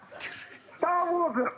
「『スター・ウォーズ』」